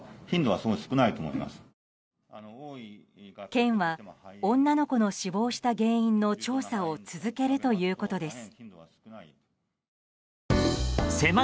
県は女の子の死亡した原因の調査を続けるということです。